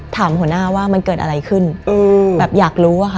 ถามหัวหน้าว่ามันเกิดอะไรขึ้นแบบอยากรู้อะค่ะ